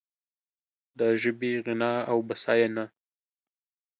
د ژبې غنا او بسیاینه